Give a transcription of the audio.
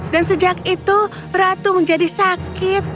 dan sejak itu ratu menjadi sakit